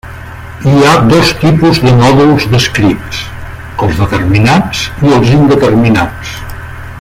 Hi ha dos tipus de nòduls descrits: els determinats i els indeterminats.